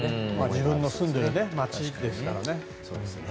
自分の住んでる街ですからね。